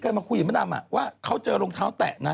มาคุยกับมะดำว่าเขาเจอรองเท้าแตะนะ